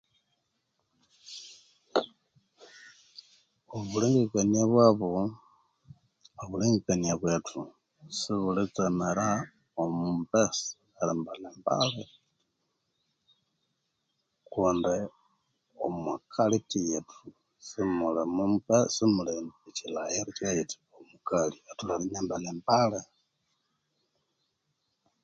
Obulengekania babu nobulengekania bwethu sibulitsemira omumbesa oyukambalha mbalhi kundi omwaculture yet simuli omundu oyutholere eryambalha embalhi